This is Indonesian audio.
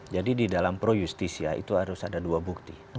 di dalam pro justisia itu harus ada dua bukti